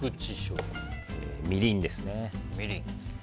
みりんですね。